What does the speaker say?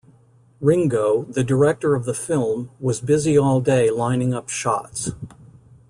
Ringo, the director of the film, was busy all day lining up shots.